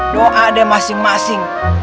doa deh masing masing